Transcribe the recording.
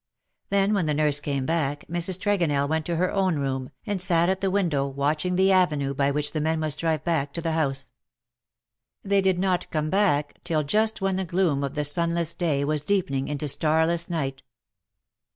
Then, when the nurse came back, Mrs. Tregonell went to her own room, and sat at the window watching the avenue by which the men must drive back to the house. They did not come back till just when the gloom of the sunless day was deepening into starless night.